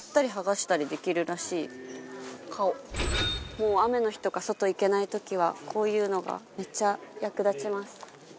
もう雨の日とか外行けない時はこういうのがめっちゃ役立ちます。